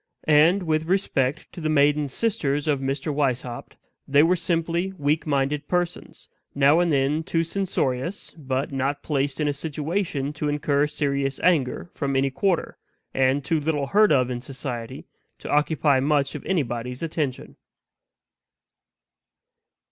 And, with respect to the maiden sisters of Mr. Weishaupt, they were simply weak minded persons, now and then too censorious, but not placed in a situation to incur serious anger from any quarter, and too little heard of in society to occupy much of anybody's attention.